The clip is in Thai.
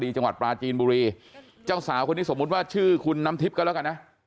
จังหวัดปราจีนบุรีเจ้าสาวคนนี้สมมุติว่าชื่อคุณน้ำทิพย์ก็แล้วกันนะ